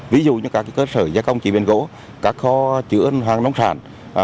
ví dụ như các cơ sở gia công chế biến gỗ các kho chữa hoang nông sản